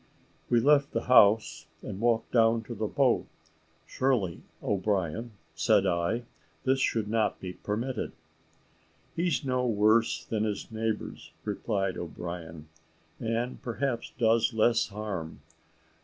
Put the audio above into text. We left the house and walked down to the boat. "Surely. O'Brien," said I, "this should not be permitted?" "He's no worse than his neighbours," replied O'Brien, "and perhaps does less harm.